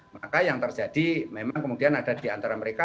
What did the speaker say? maka yang terjadi memang kemudian ada di antara mereka